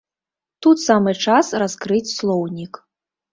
Тут самы час раскрыць слоўнік.